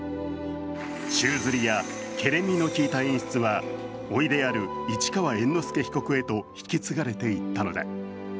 宙づりやけれんみの効いた演出はおいである市川猿之助被告へと引き継がれていったのだ。